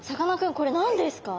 これ何ですか？